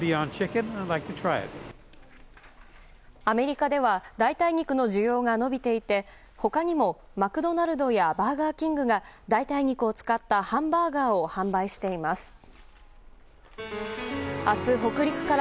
アメリカでは代替肉の需要が伸びていて他にもマクドナルドやバーガーキングが代替肉を使ったハンバーガーを販売しています。